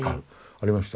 ありました。